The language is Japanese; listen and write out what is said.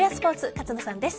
勝野さんです。